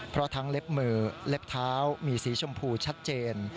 เพราะทั้งเล็บมือเล็บเท้ามีสีชมพูชัดเจน